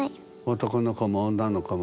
男の子も女の子も。